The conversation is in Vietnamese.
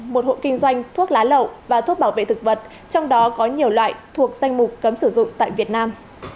một hộ kinh doanh thuốc lá lậu và thuốc bảo vệ thực vật trong đó có nhiều loại thuộc danh mục cấm sử dụng tại việt nam